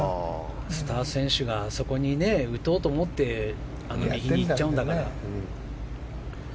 スター選手があそこに打とうと思って右にいっちゃうんだから。